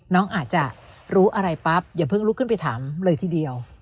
น้องอาจจะรู้อะไรปั๊บอย่าเพิ่งลุกขึ้นไปถามเลยทีเดียว